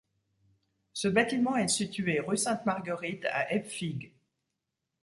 Ce bâtiment est situé rue Sainte-Marguerite à Epfig.